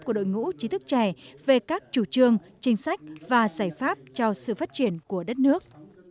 của đội ngũ trí thức trẻ về các chủ trương chính sách và giải pháp cho sự phát triển của đất nước